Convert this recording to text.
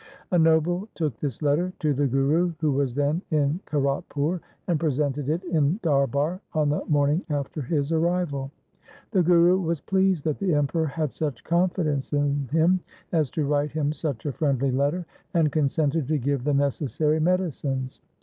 A noble took this letter to the Guru who was then in Kiratpur and presented it in darbar on the morning after his arrival. The Guru was pleased that the Emperor had such confidence in him as to write him such a friendly letter, and consented to give the necessary medicines.